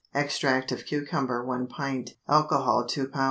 Extract of cucumber 1 pint. Alcohol 2 lb.